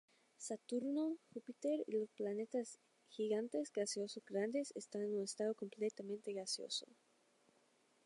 Saturno, Júpiter y los planetas gigantes gaseosos grandes están en un estado completamente "gaseoso".